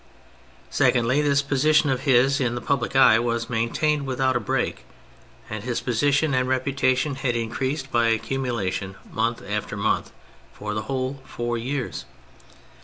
Secondly, this position of his in the public eye was maintained without a break, and his position and reputation had increased by accumulation month after month for the whole four years.